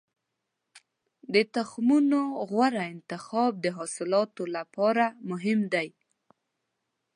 د تخمونو غوره انتخاب د حاصلاتو لپاره مهم دی.